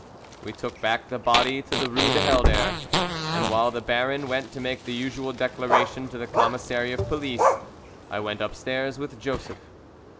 We took back the body to the Rue de Helder, and while the Baron went to make the usual declaration to the Commissary of Police, I went upstairs with Joseph.